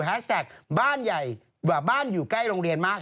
แท็กบ้านใหญ่บ้านอยู่ใกล้โรงเรียนมาก